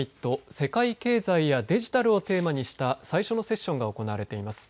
世界経済やデジタルをテーマにした最初のセッションが行われています。